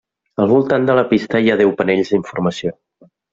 Al voltant de la pista hi ha deu panells d'informació.